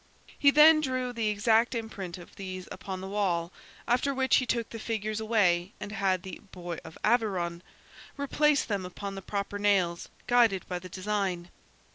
He then drew the exact imprint of these upon the wall, after which he took the figures away and had the "boy of Aveyron" replace them upon the proper nails, guided by the design.